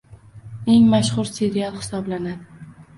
eng mashhur serial hisoblanadi.